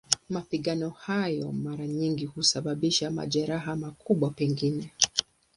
Mapigano hayo mara nyingi husababisha majeraha, makubwa pengine.